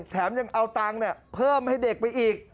แถมยังเอาตังค์เพิ่มให้เด็กไปอีก